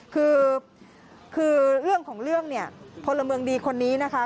คือคือเรื่องของเรื่องเนี่ยพลเมืองดีคนนี้นะคะ